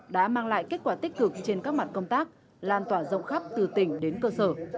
đã mang lại kết quả tích cực trên các mặt công tác lan tỏa rộng khắp từ tỉnh đến cơ sở